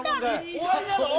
終わりなの？